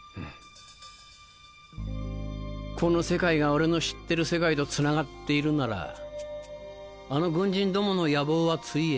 この世界が俺の知ってる世界とつながっているならあの軍人どもの野望はついえ